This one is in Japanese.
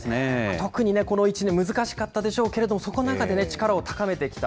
特にね、この１年、難しかったでしょうけれども、そこの中で力を高めてきた。